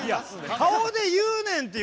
顔で言うねんっていう